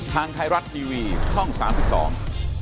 ทางไทยรัตน์ทีวีช่อง๓๒